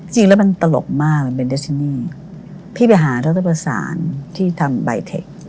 จริงแล้วมันตลกมากมันเป็นพี่ไปหาที่ทำใบเทค